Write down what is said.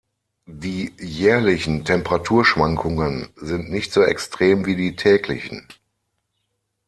Die jährlichen Temperaturschwankungen sind nicht so extrem wie die täglichen.